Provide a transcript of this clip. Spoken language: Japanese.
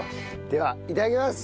ではいただきます！